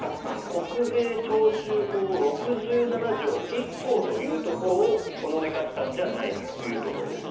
国税徴収法６７条１項というところをほのめかしたんじゃないかというところです。